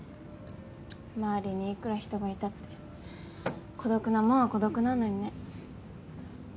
周りにいくら人がいたって孤独なもんは孤独なのにね。